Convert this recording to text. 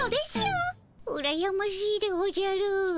うらやましいでおじゃる。